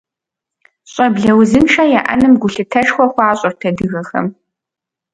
ЩӀэблэ узыншэ яӀэным гулъытэшхуэ хуащӀырт адыгэхэм.